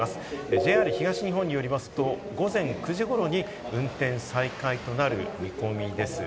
ＪＲ東日本によりますと午前９時ごろに運転再開となる見込みです。